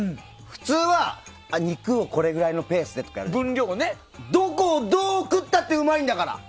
普通は肉をこれくらいのペースでとかやるけどどこをどう食ったってうまいんだから！